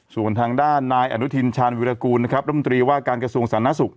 ส่วนทางด้านนายอนุทินชาญวิรากูลนะครับรัฐมนตรีว่าการกระทรวงสาธารณสุข